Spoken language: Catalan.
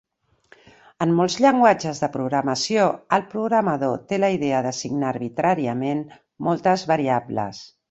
En molts llenguatges de programació, el programador té la idea d'assignar arbitràriament moltes variables.